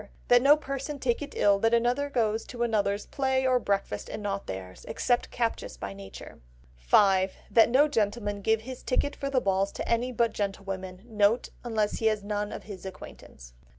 That no person take it ill that anyone goes to another's play or breakfast and not theirs; except captious by nature. 5. That no gentleman give his ticket for the balls to any but gentlewomen. N.B.—Unless he has none of his acquaintance.